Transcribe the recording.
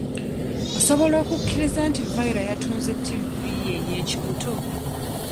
Osobola okukikkiriza nti viola yatunze ttivi ye ey'ekibuto.